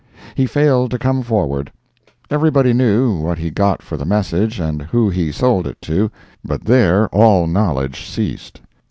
He failed to come forward. Everybody knew what he got for the message and who he sold it to, but there all knowledge ceased.